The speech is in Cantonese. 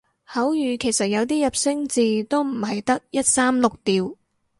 口語其實有啲入聲字都唔係得一三六調